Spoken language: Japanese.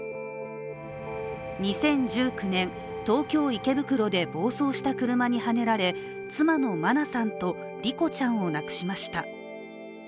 ２０１９年、東京・池袋で暴走した車にはねられ妻の真菜さんと、莉子ちゃんを亡くしました。